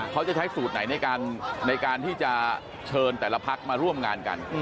เขาจะใช้สูตรไหนในการที่จะเชิญแต่ละพักมาร่วมงานกัน